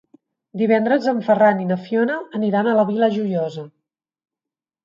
Divendres en Ferran i na Fiona aniran a la Vila Joiosa.